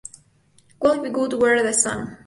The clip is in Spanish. What If God Were the Sun?